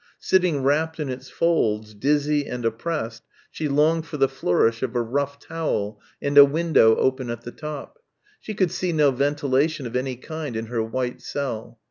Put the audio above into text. Sitting wrapped in its folds, dizzy and oppressed, she longed for the flourish of a rough towel and a window open at the top. She could see no ventilation of any kind in her white cell.